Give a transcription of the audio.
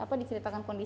apa diceritakan kondisi